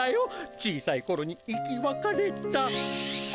小さいころに生きわかれた。